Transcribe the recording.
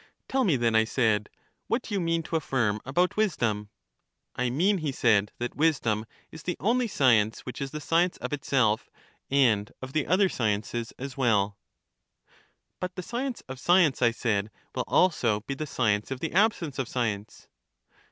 Tell me, then, I said, what you mean to affirm about wisdom. I mean, he said, that wisdom is the only science which is the science of itself and of the other sciences as well. But the science of science, I said, will also be the/ science of the absence of science.